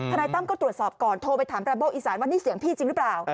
นายตั้มก็ตรวจสอบก่อนโทรไปถามแรมโบอีสานว่านี่เสียงพี่จริงหรือเปล่า